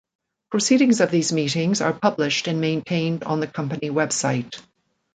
Proceedings of these meetings are published and maintained on the Company web site.